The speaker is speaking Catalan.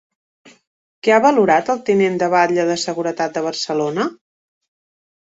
Què ha valorat el tinent de batlle de Seguretat de Barcelona?